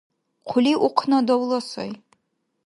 Хъулив ухъна - давла сай.